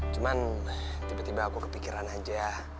cuman tiba tiba aku kepikiran aja